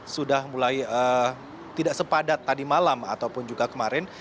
sudah mulai tidak sepadat tadi malam ataupun juga kemarin